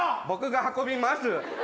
⁉僕が運びます。